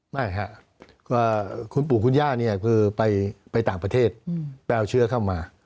ไม่ครับก็คุณปู่คุณย่าเนี่ยคือไปต่างประเทศไปเอาเชื้อเข้ามา